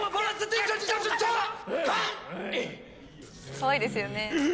かわいいですよね。